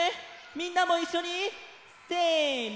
みんなもいっしょにせの！